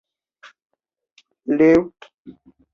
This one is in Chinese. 该寺庙的东面是瓦苏基纳特。